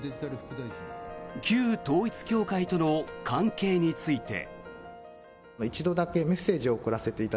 旧統一教会との関係について。